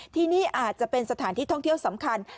ที่นี่อาจจะเป็นสถานที่ท่องเที่ยวสำคัญ